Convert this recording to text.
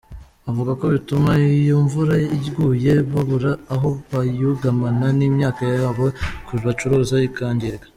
Avuga ko bituma iyo imvura iguye babura aho bayugamana n’imyaka yabo bacuruza ikangirika.